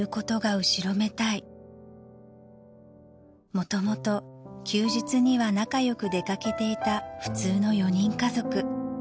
［もともと休日には仲良く出掛けていた普通の４人家族］